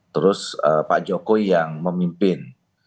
terus pak jokowi yang memimpin